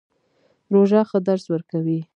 روژه څه درس ورکوي؟